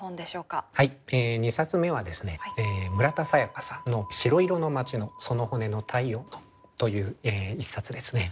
２冊目はですね村田沙耶香さんの「しろいろの街の、その骨の体温の」という一冊ですね。